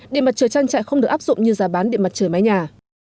điện mặt trời trang trại không được áp dụng như giá bán điện mặt trời mái nhà